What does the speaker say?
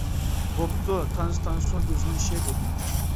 بوپتۇ، تانسا تانسۇن، ئۆزىنىڭ ئىشى، دېدىم.